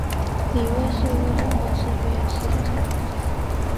李卫是一位中国磁学与磁性材料专家。